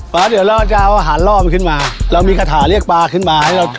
เดี๋ยวเราจะเอาอาหารล่อมันขึ้นมาเรามีคาถาเรียกปลาขึ้นมาให้เรา